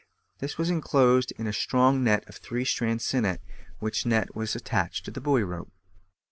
This was enclosed in a strong net of three strand sinnet, which net was attached to the buoy rope.